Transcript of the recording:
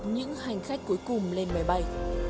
những hành khách cuối cùng lên máy bay